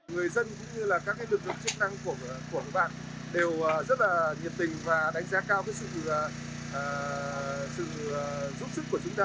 người dân cũng như là các lực lượng chức năng của các bạn đều rất là nhiệt tình và đánh giá cao sự giúp sức của chúng ta